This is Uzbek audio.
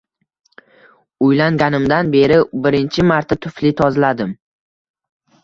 Uylanganimdan beri birinchi marta tufli tozaladim